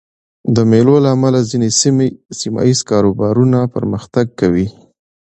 د مېلو له امله ځيني سیمه ییز کاروبارونه پرمختګ کوي.